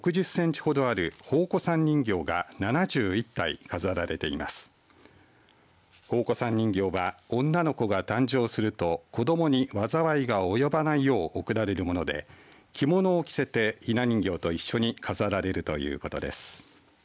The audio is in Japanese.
ほうこさん人形は女の子が誕生すると、子どもに災いが及ばないよう贈られるもので着物を着せてひな人形と一緒に飾られるということです。